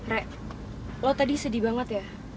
rek lo tadi sedih banget ya